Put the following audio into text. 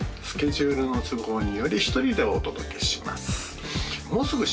スケジュールの都合により１人でお届けします